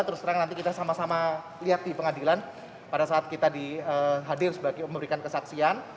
terus terang nanti kita sama sama lihat di pengadilan pada saat kita hadir sebagai memberikan kesaksian